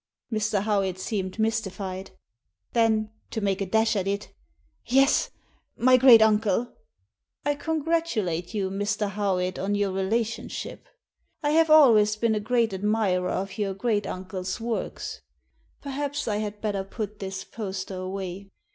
Mr. Howitt seemed mystified; then, to make a dash at it, " Yes ; my great uncle." " I congratulate you, Mr. Howitt, on your relation ship. I have always been a great admirer of your great uncle's works. Perhaps I had better put this poster away.